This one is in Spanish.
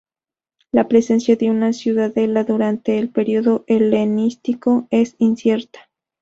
La presencia de una ciudadela durante el período helenístico es incierta.